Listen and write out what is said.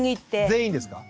全員ですか？